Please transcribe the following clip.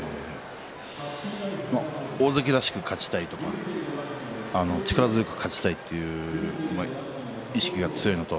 大関らしく勝ちたいとか力強く立ちたいという意識が強いなと。